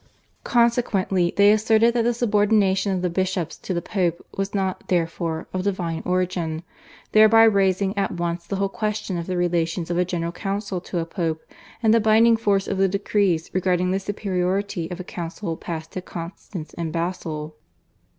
Consequently they asserted that the subordination of the bishops to the Pope was not, therefore of divine origin, thereby raising at once the whole question of the relations of a general council to a Pope and the binding force of the decrees regarding the superiority of a council passed at Constance and Basle.